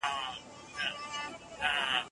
باور وکړئ چې هغوی ښه دي.